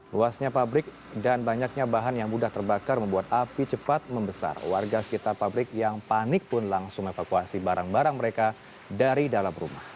luasnya pabrik dan banyaknya bahan yang mudah terbakar membuat api cepat membesar warga sekitar pabrik yang panik pun langsung evakuasi barang barang mereka dari dalam rumah